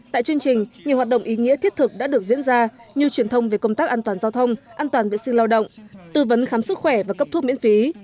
tại chương trình nhiều hoạt động ý nghĩa thiết thực đã được diễn ra như truyền thông về công tác an toàn giao thông an toàn vệ sinh lao động tư vấn khám sức khỏe và cấp thuốc miễn phí